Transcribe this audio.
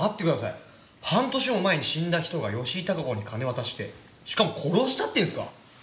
半年も前に死んだ人が吉井孝子に金渡してしかも殺したっていうんですか？